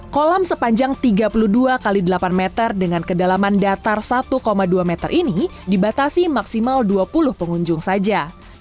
kolam sepanjang tiga puluh dua x delapan meter dengan kedalaman datar satu dua meter ini dibatasi maksimal dua puluh pengunjung saja